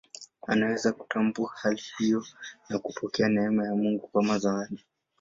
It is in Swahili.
Anaweza kutambua hali hiyo na kupokea neema ya Mungu kama zawadi.